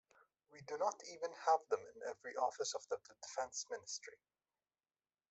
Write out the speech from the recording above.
We do not even have them in every office of the Defense Ministry.